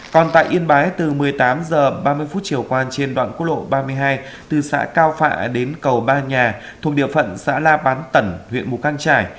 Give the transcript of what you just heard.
còn tại yên bái từ một mươi tám h ba mươi chiều qua trên đoạn quốc lộ ba mươi hai từ xã cao phạ đến cầu ba nhà thuộc địa phận xã la bán tẩn huyện mù căng trải